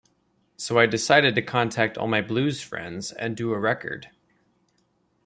So I decided to contact all my blues friends and do a record.